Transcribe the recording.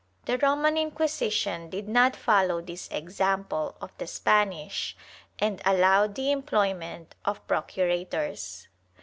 The Roman Inquisition did not follow this example of the Spanish and allowed the employment of procurators.